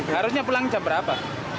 harusnya pulang jam berapa